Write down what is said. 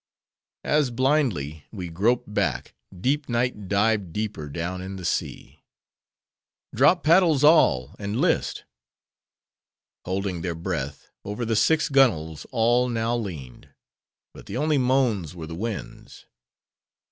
As, blindly, we groped back, deep Night dived deeper down in the sea. "Drop paddles all, and list." Holding their breath, over the six gunwales all now leaned; but the only moans were the wind's.